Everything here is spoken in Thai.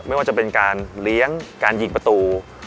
ไม่ว่าจะเป็นการเลี้ยงการยิงประตู